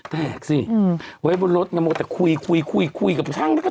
แตกสิไว้บนรถแต่คุยกับช่าง